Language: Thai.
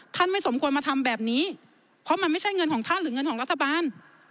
ไม่สมควรมาทำแบบนี้เพราะมันไม่ใช่เงินของท่านหรือเงินของรัฐบาล